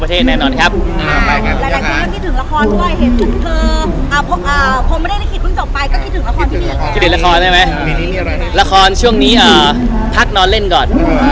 พี่ตื่นราคอนพี่ดิราคอนช่วงนี้พักนอนเล่นก่อน